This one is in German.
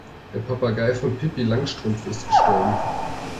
Der Papagei von Pippi Langstrumpf ist gestorben.